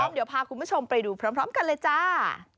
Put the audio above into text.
เดี๋ยวพาคุณผู้ชมไปดูพร้อมกันเลยจ้า